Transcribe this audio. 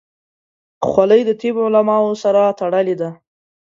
خولۍ د طب علماو سره تړلې ده.